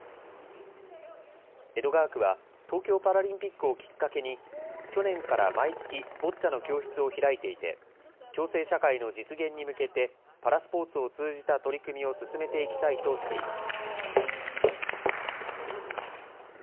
江戸川区は、東京パラリンピックをきっかけに、去年から毎月、ボッチャの教室を開いていて、共生社会の実現に向けて、パラスポーツを通じた取り組みを進めていきたいとしています。